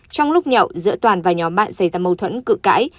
trong lúc nhậu giữa toàn và nhóm bạn xảy ra mâu thuẫn cự cãi